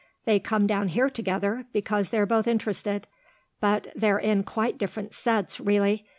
They come down here together because they're both interested; but they're in quite different sets, really.